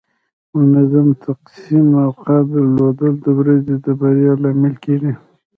منظم تقسیم اوقات درلودل د ورځې د بریا لامل کیږي.